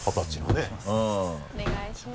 お願いします。